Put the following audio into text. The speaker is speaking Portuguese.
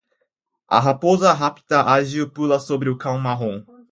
A rápida raposa ágil pula sobre o cão marrom